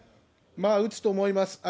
打つと思います。